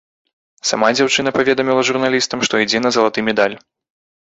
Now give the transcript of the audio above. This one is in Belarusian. Сама дзяўчына паведаміла журналістам, што ідзе на залаты медаль.